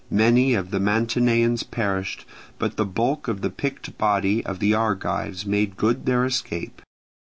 Many of the Mantineans perished; but the bulk of the picked body of the Argives made good their escape.